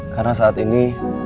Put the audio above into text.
karena saat ini